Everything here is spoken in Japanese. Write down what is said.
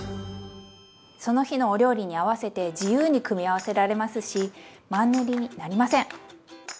その日のお料理に合わせて自由に組み合わせられますしマンネリになりません！